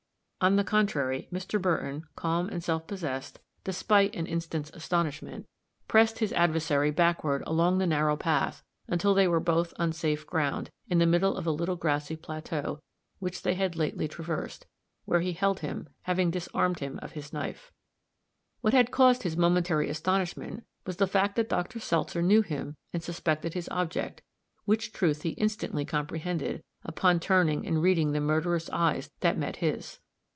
On the contrary, Mr. Burton, calm and self possessed, despite an instant's astonishment, pressed his adversary backward along the narrow path until they were both on safe ground, in the middle of a little grassy plateau, which they had lately traversed, where he held him, having disarmed him of his knife. What had caused his momentary astonishment was the fact that Dr. Seltzer knew him and suspected his object, which truth he instantly comprehended, upon turning and reading the murderous eyes that met his.